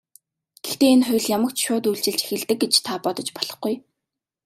Гэхдээ энэ хууль ямагт шууд үйлчилж эхэлдэг гэж та бодож болохгүй.